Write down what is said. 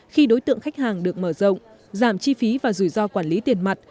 khi đối tượng khách hàng được mở rộng giảm chi phí và rủi ro quản lý tiền mặt